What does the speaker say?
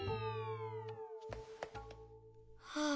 はあ。